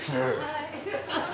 ・はい。